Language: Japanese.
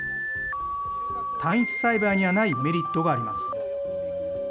単一栽培にはないメリットがあります。